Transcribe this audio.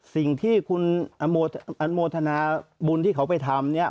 สิ่งที่คุณอนุโมทนาบุญที่เขาไปทำเนี่ย